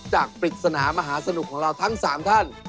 จากปริกษณะมหาสนุกของเราทั้งสามท่าน